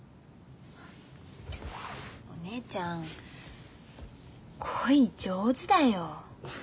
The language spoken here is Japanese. お姉ちゃん恋上手だよ。